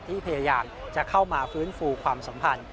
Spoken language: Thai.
ที่พยายามจะเข้ามาฟื้นฟูความสัมพันธ์